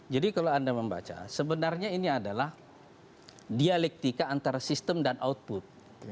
jadi kalau anda membaca sebenarnya ini adalah dialektika antara sistem dan output